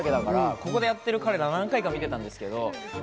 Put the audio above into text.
ここでやってる彼らを何回か見てたわけだから。